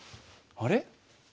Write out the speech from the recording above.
あれ？